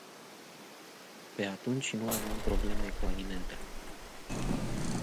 Pe atunci nu aveam probleme cu alimentele.